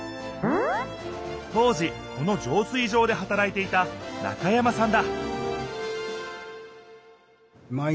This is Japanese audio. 当時このじょう水場ではたらいていた中山さんだ